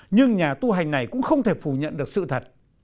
nhưng nhà tu hành này cũng không thể phủ nhận được sự thật